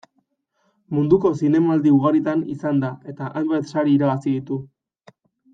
Munduko zinemaldi ugaritan izan da eta hainbat sari irabazi ditu.